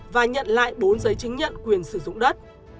và nhận lại bốn giấy chứng nhận quyền sử dụng đất